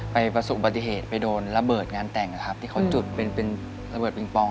ไปประสุปฏิเหตุไปโดนระเบิดงานแต่งครับ